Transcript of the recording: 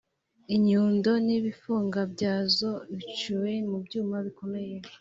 inyundo n ibifunga byazo yabicuze mubyuma bikomeye